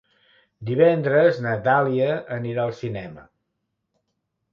Divendres na Dàlia anirà al cinema.